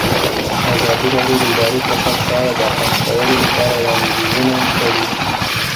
ازادي راډیو د اداري فساد په اړه د حل کولو لپاره وړاندیزونه کړي.